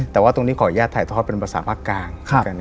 แต่ว่าตรงนี้ขออนุญาตถ่ายทอดเป็นภาษาภาคกลาง